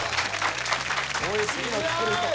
おいしいの作る人。